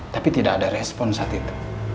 tapi tidak ada respon saat itu